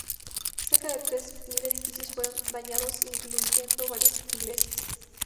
Cerca de tres mil edificios fueron dañados incluyendo varias iglesias.